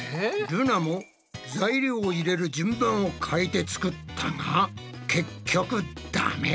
ルナも材料を入れる順番を変えて作ったが結局ダメ。